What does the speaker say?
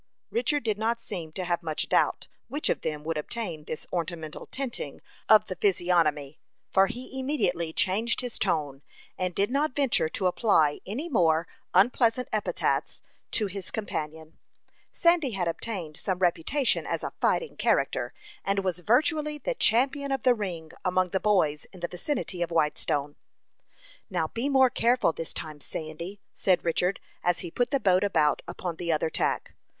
Richard did not seem to have much doubt which of them would obtain this ornamental tinting of the physiognomy, for he immediately changed his tone, and did not venture to apply any more unpleasant epithets to his companion. Sandy had obtained some reputation as a fighting character, and was virtually the champion of the ring among the boys in the vicinity of Whitestone. "Now be more careful, this time, Sandy," said Richard, as he put the boat about upon the other tack.